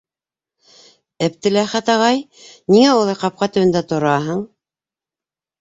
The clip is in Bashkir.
Әптеләхәт ағай, ниңә улай ҡапҡа төбөндә тораһың?